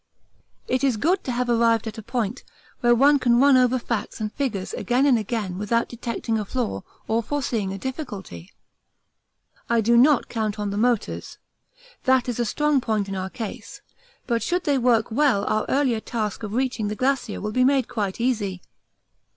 It is good to have arrived at a point where one can run over facts and figures again and again without detecting a flaw or foreseeing a difficulty. I do not count on the motors that is a strong point in our case but should they work well our earlier task of reaching the Glacier will be made quite easy.